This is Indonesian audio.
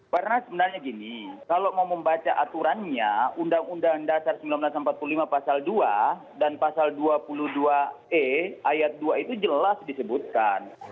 karena sebenarnya gini kalau mau membaca aturannya undang undang dasar seribu sembilan ratus empat puluh lima pasal dua dan pasal dua puluh dua e ayat dua itu jelas disebutkan